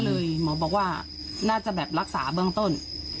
ก็เลยหมอบอกว่าน่าจะรักษาเปิงต้น